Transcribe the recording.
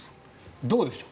どうでしょう。